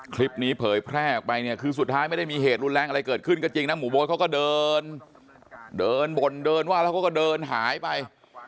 เผยแพร่ออกไปเนี่ยคือสุดท้ายไม่ได้มีเหตุรุนแรงอะไรเกิดขึ้นก็จริงนะหมู่โบ๊ทเขาก็เดินเดินบ่นเดินว่าแล้วเขาก็เดินหายไป